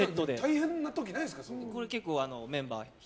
大変な時ないんですか？